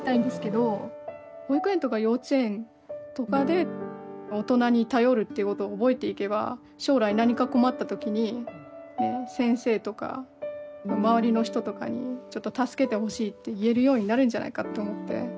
保育園とか幼稚園とかで大人に頼るっていうことを覚えていけば将来何か困った時にね先生とか周りの人とかにちょっと助けてほしいって言えるようになるんじゃないかって思って。